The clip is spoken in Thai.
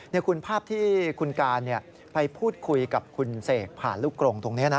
นี่คุณภาพที่คุณการไปพูดคุยกับคุณเสกผ่านลูกกรงตรงนี้นะ